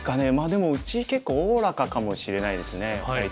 でもうち結構おおらかかもしれないですね２人とも。